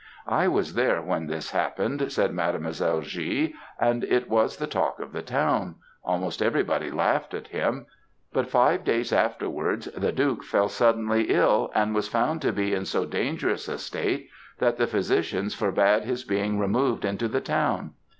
"I was there when this happened, said Mademoiselle G., and it was the talk of the town; almost everybody laughed at him; but five days afterwards the Duke fell suddenly ill, and was found to be in so dangerous a state, that the physicians forbade his being removed into the town.